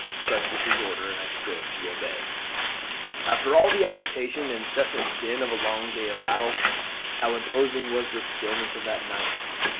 Such was his order, and I strove to obey. "After all the agitation and the incessant din of a long day of battle, how imposing was the stillness of that night!